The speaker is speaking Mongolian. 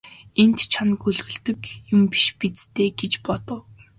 Энд чоно гөлөглөдөг юм биш биз дээ гэж бодов.